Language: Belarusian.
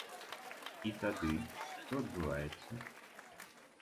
І тады, што адбываецца?